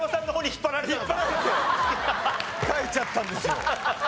引っ張られて書いちゃったんですよ。